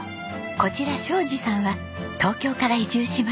こちら庄司さんは東京から移住しました。